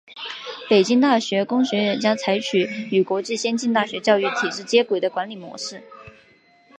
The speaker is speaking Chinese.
北京大学工学院将采取与国际先进大学教育体制接轨的管理模式。